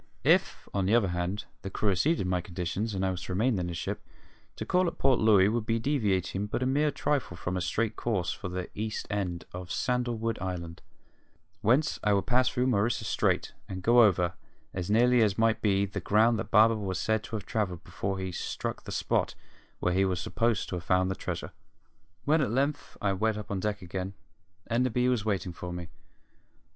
If, on the other hand, the crew acceded to my conditions, and I was to remain in the ship, to call at Port Louis would be deviating but a mere trifle from a straight course for the east end of Sandalwood Island, whence I would pass through Maurissa Strait and go over, as nearly as might be, the ground that Barber was said to have travelled before he struck the spot where he was supposed to have found the treasure. When at length I went up on deck again, Enderby was waiting for me.